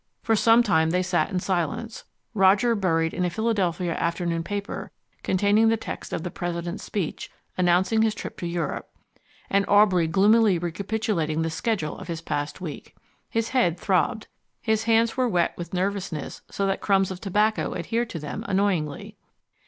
For some time they sat in silence, Roger buried in a Philadelphia afternoon paper containing the text of the President's speech announcing his trip to Europe, and Aubrey gloomily recapitulating the schedule of his past week. His head throbbed, his hands were wet with nervousness so that crumbs of tobacco adhered to them annoyingly.